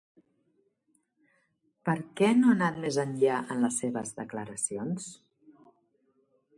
Per què no ha anat més enllà en les seves declaracions?